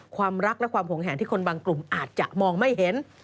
ความรักและความหงแหนที่คนบางกลุ่มอาจจะมองไม่เห็น